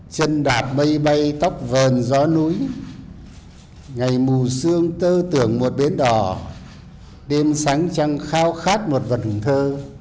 chân đạt mây bay tóc vờn gió núi ngày mù sương tơ tưởng một bến đỏ đêm sáng trăng khao khát một vật hùng thơ